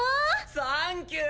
サンキュー。